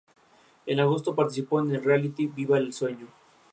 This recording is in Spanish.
En agosto participó del reality "¡Viva el sueño!